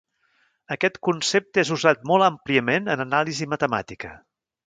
Aquest concepte és usat molt àmpliament en anàlisi matemàtica.